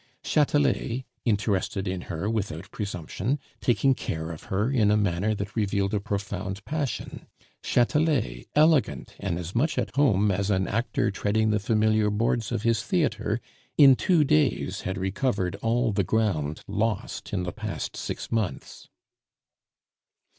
Chatelet, interested in her without presumption, taking care of her in a manner that revealed a profound passion; Chatelet, elegant, and as much at home as an actor treading the familiar boards of his theatre, in two days had recovered all the ground lost in the past six months.